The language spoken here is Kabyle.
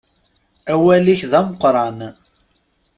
Awal-ik d ameqqran.